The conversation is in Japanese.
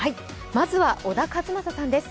まずは小田和正さんです。